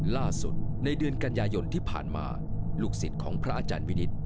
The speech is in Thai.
ล่าสุดในเดือนกันยายนที่ผ่านมาลูกศิษย์ของพระอาจารย์วินิต